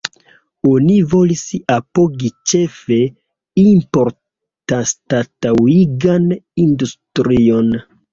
Oni volis apogi ĉefe importanstataŭigan industrion.